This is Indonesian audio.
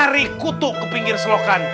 dari kutu ke pinggir selokan